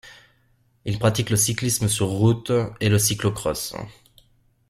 Il pratique le cyclisme sur route et le cyclo-cross.